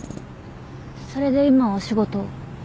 それで今はお仕事を？